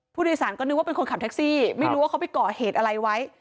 ผู้โดยสารก็นึกว่าเป็นคนขับแท็กซี่ไม่รู้ว่าเขาไปก่อเหตุอะไรไว้